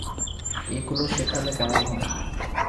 এগুলো শেখালে কেমন হয়?